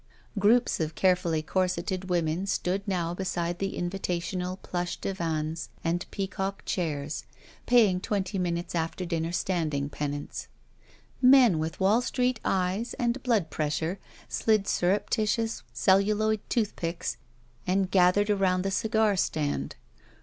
Groups of carefully corseted women stood now beside the invitational plush divans and peacock chairs, paying twenty minutes' after dinner standing penance. Men with Wall j^treet eyes and blood pressure slid surreptituous celluloid tooth picks and gathered around the cigar stand.